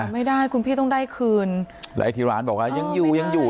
ไม่ได้คุณพี่ต้องได้คืนแล้วไอ้ที่ร้านบอกว่ายังอยู่ยังอยู่